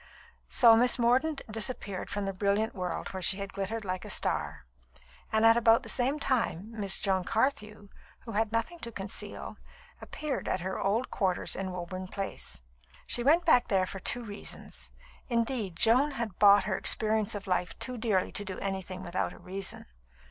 So Miss Mordaunt disappeared from the brilliant world where she had glittered like a star; and at about the same time, Miss Joan Carthew (who had nothing to conceal) appeared at her old quarters in Woburn Place. She went back there for two reasons; indeed, Joan had bought her experience of life too dearly to do anything without a reason.